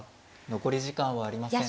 残り時間はありません。